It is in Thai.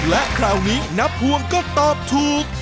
และคราวนี้นับพวงก็ตอบถูก